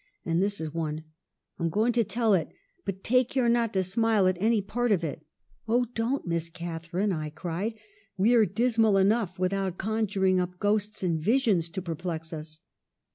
And this is one : I'm going to tell it, but take care not to smile at any part of it.' "' Oh, don't, Miss Catharine,' I cried. ' We're dismal enough without conjuring up ghosts and visions to perplex us